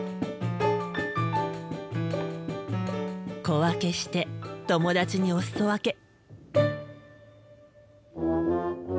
小分けして友達におすそ分け。